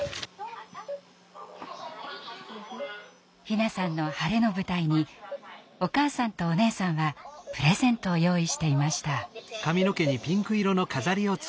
陽菜さんの晴れの舞台にお母さんとお姉さんはプレゼントを用意していました。